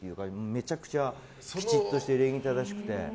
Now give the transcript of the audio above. めちゃくちゃきちっとして礼儀正しくて。